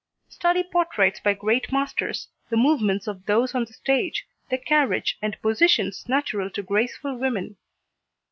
Study portraits by great masters, the movements of those on the stage, the carriage and positions natural to graceful women.